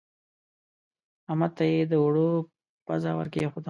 احمد ته يې د اوړو پزه ور کېښوده.